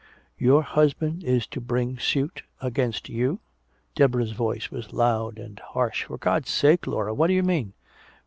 '" "Your husband is to bring suit against you?" Deborah's voice was loud and harsh. "For God's sake, Laura, what do you mean?"